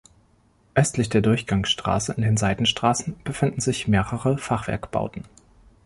Östlich der Durchgangsstraße, in den Seitenstraßen, befinden sich mehrere Fachwerkbauten.